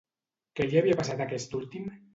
Què li havia passat a aquest últim?